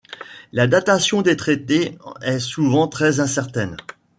La datation des traités est souvent très incertaine.